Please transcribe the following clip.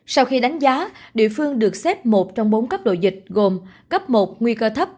sau khi đánh giá địa phương được xếp một trong bốn cấp độ dịch gồm cấp một nguy cơ thấp